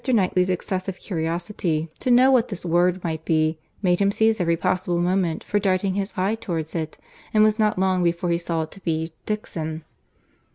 Knightley's excessive curiosity to know what this word might be, made him seize every possible moment for darting his eye towards it, and it was not long before he saw it to be Dixon.